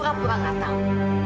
pura pura nggak tahu